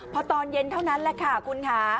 พอตอนเย็นเท่านั้นแหละค่ะคุณค่ะ